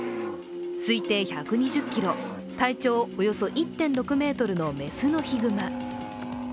推定１２０ｋｇ、体長およそ１．６ｍの雌のヒグマ。